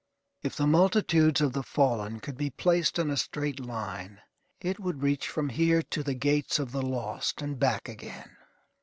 If the multitudes of the fallen could be placed in a straight line, it would reach from here to the gates of the lost, and back again.